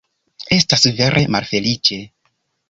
Estas vere malfeliĉe.